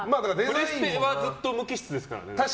プレステはずっと無機質ですからね。